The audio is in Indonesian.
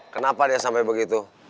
kenapa dia sampai begitu